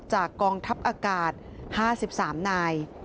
จากกองทัพอากาศ๕สิบสามนาย